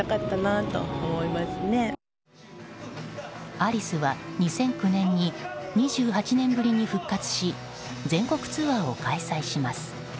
アリスは、２００９年に２８年ぶりに復活し全国ツアーを開催します。